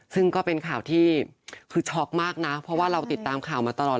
ซึ่งก็เป็นข่าวที่คือช็อกมากนะเพราะว่าเราติดตามข่าวมาตลอด